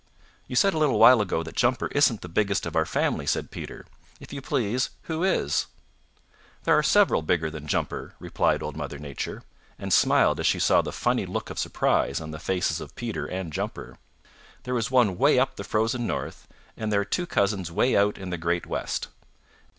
"You said a little while ago that Jumper isn't the biggest of our family," said Peter. "If you please, who is?" "There are several bigger than Jumper," replied Old Mother Nature, and smiled as she saw the funny look of surprise on the faces of Peter and Jumper. "There is one way up the Frozen North and there are two cousins way out in the Great West.